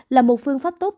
là một phương pháp tốt